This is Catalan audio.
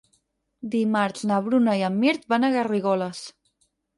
Dimarts na Bruna i en Mirt van a Garrigoles.